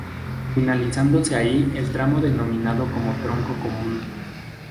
Finalizándose ahí el tramo denominado como "Tronco Común".